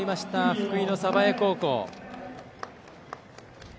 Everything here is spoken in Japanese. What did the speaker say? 福井の鯖江高校。